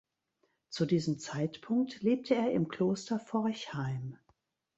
Zu diesem Zeitpunkt lebte er im Kloster Forchheim.